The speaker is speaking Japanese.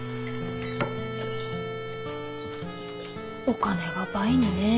お金が倍にねえ。